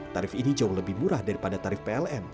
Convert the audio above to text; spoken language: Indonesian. tarif ini jauh lebih murah daripada tarif pln